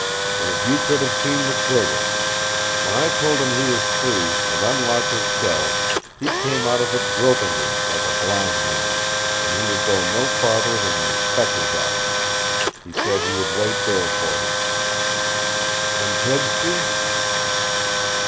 "And if you could have seen McTrigger! When I told him he was free, and unlocked his cell, he came out of it gropingly, like a blind man. And he would go no farther than the Inspector's office. He said he would wait there for him." "And Kedsty?"